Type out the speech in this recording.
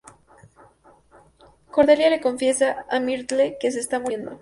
Cordelia le confiesa a Myrtle que se está muriendo.